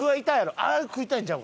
あれ食いたいんちゃうか？